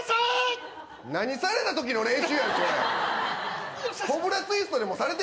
何されたときの練習やん、これ。